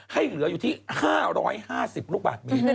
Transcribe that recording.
ให้เหลืออยู่ที่๕๕๐ลูกบาทเมตร